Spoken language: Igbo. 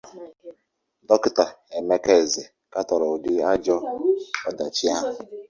Dọkịta Emeka Eze katọrọ ụdị ajọ ọdachi ahụ